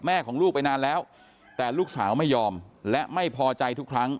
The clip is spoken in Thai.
ของลูกไปนานแล้วแต่ลูกสาวไม่ยอมและไม่พอใจทุกครั้ง